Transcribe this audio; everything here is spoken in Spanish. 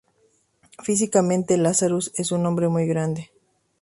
Físicamente Lazarus es un hombre muy grande.